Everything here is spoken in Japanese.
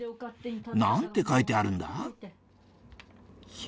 何て書いてあるんだ？